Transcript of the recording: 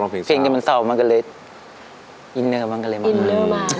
เพลงโดยมันเศร้ามากันเลยอินเนอร์มากกันเลย